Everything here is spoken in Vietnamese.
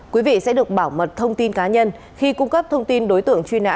quý vị sẽ được bảo mật thông tin cá nhân khi cung cấp thông tin đối tượng truy nã